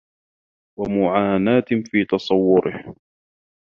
وَمُعَانَاةٍ فِي تَصَوُّرِهِ